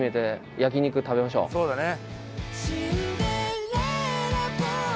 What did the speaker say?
そうだね。